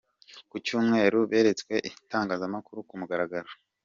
Ku cyumweru beretswe itangazamakuru ku mugaragaro.